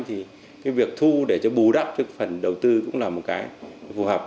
thì cái việc thu để cho bù đắp cái phần đầu tư cũng là một cái phù hợp